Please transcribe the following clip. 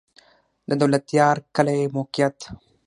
د دولتيار کلی موقعیت